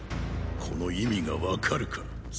この意味が分かるか成。